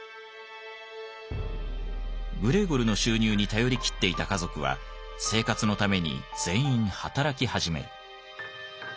グレーゴルの収入に頼りきっていた家族は生活のために全員働き始める。